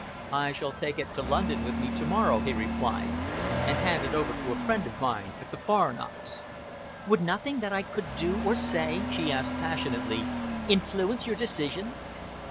"I shall take it to London with me to morrow," he replied, "and hand it over to a friend of mine at the Foreign Office." "Would nothing that I could do or say," she asked passionately, "influence your decision?"